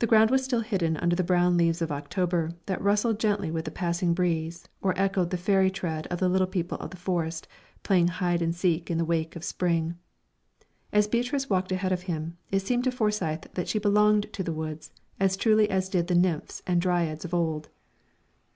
The ground was still hidden under the brown leaves of October, that rustled gently with a passing breeze or echoed the fairy tread of the Little People of the Forest, playing hide and seek in the wake of Spring. As Beatrice walked ahead of him, it seemed to Forsyth that she belonged to the woods, as truly as did the nymphs and dryads of old.